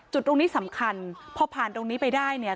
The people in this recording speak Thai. จุดตรงนี้สำคัญพอผ่านตรงนี้ไปได้เนี่ย